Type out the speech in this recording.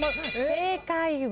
正解は。